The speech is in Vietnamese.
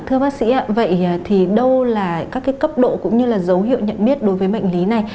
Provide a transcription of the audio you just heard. thưa bác sĩ ạ vậy thì đâu là các cái cấp độ cũng như là dấu hiệu nhận biết đối với bệnh lý này